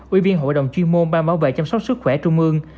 ủy viên hội đồng chuyên môn ban bảo vệ chăm sóc sức khỏe trung ương